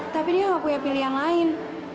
tapi dia nggak punya pilihan lain